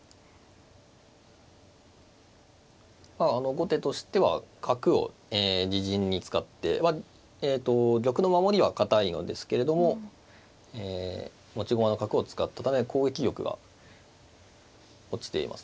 後手としては角を自陣に使ってえと玉の守りは堅いのですけれどもえ持ち駒の角を使ったため攻撃力が落ちていますね。